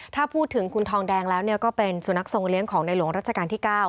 ถ้าพูดถึงคุณทองแดงแล้วก็เป็นสุนัขทรงเลี้ยงของในหลวงรัชกาลที่๙